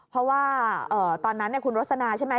เพราะว่าตอนนั้นคุณรสนาใช่ไหม